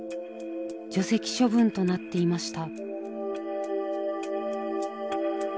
除籍処分となっていました。